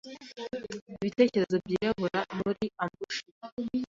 ibitekerezo byirabura muri ambushi